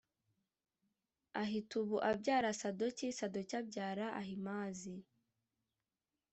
ahitubu abyara sadoki sadoki abyara ahimazi